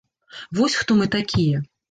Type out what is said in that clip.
Вось хто мы такія.